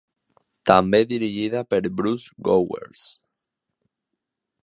També dirigida per Bruce Gowers.